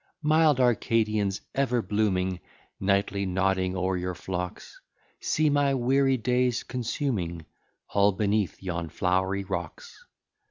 Mild Arcadians, ever blooming Nightly nodding o'er your flocks, See my weary days consuming All beneath yon flowery rocks.